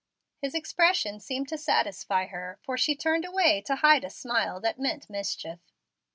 His expression seemed to satisfy her, for she turned away to hide a smile that meant mischief.